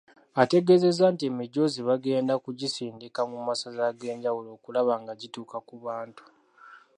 Ategeezezza nti emijoozi bagenda kugisindika mu Masaza ag'enjawulo okulaba nga gituuka ku bantu.